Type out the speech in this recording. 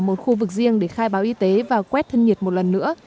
một khu vực riêng để khai báo y tế và quét thân nhiệt một lần nữa